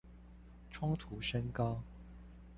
衝突升高